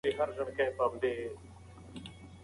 د خوراکي توکو بیې لوړې شوې دي.